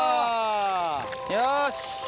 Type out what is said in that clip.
よし！